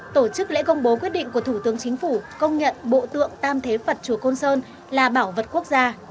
tổ chức lễ công bố quyết định của thủ tướng chính phủ công nhận bộ tượng tam thế phật chúa côn sơn là bảo vật quốc gia